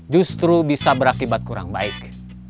justru bisa berakibat kurang baik